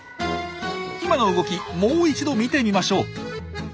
今の動きもう一度見てみましょう。